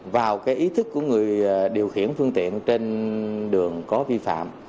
vào cái ý thức của người điều khiển phương tiện trên đường có vi phạm